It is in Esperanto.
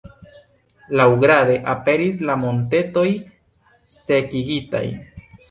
Laŭgrade, aperis la montetoj sekigitaj.